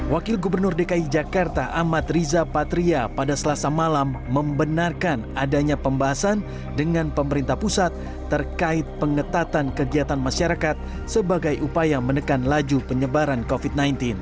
wakil gubernur dki jakarta ahmad riza patria pada selasa malam membenarkan adanya pembahasan dengan pemerintah pusat terkait pengetatan kegiatan masyarakat sebagai upaya menekan laju penyebaran covid sembilan belas